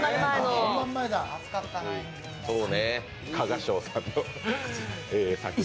そうね、加賀翔さんの作品。